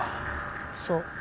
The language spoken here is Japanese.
そう。